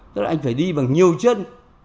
tức là anh phải đi bằng nhiều chân